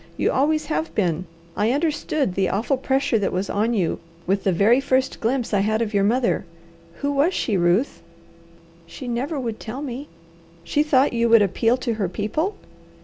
You always have been. I understood the awful pressure that was on you with the very first glimpse I had of your mother. Who was she, Ruth?" "She never would tell me." "She thought you would appeal to her people?"